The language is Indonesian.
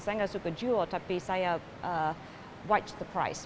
saya suka jual tapi saya menonton harga